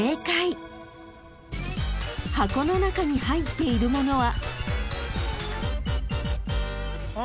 ［箱の中に入っているものは］